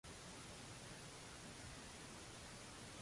Għada min rah?!